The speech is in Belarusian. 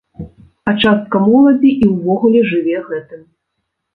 А частка моладзі і ўвогуле жыве гэтым.